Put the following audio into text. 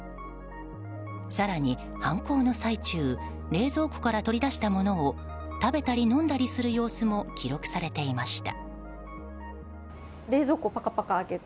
更に、犯行の最中冷蔵庫から取り出したものを食べたり飲んだりする様子も記録されていました。